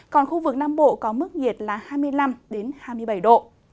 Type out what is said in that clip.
còn khu vực nam bộ có mức nhiệt là hai mươi năm hai mươi bảy độ